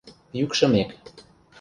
Йӱкшымек